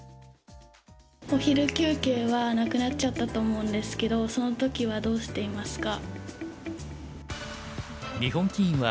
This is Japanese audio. お昼休憩はなくなっちゃったと思うんですけどその時はどうしていますか？